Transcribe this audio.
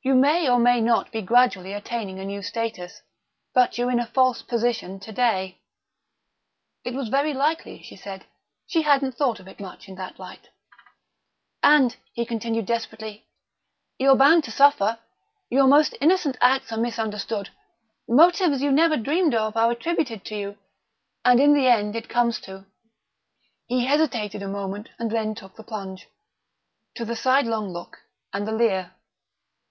"You may or may not be gradually attaining a new status, but you're in a false position to day." It was very likely, she said; she hadn't thought of it much in that light "And," he continued desperately, "you're bound to suffer. Your most innocent acts are misunderstood; motives you never dreamed of are attributed to you; and in the end it comes to " he hesitated a moment and then took the plunge, " to the sidelong look and the leer."